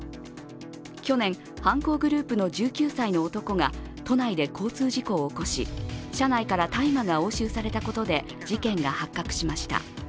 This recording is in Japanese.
去年、犯行グループの１９歳の男が都内で交通事故を起こし車内から大麻が押収されたことで事件が発覚しました。